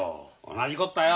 同じこったよ。